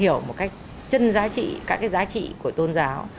hiểu một cách chân giá trị các cái giá trị của tôn giáo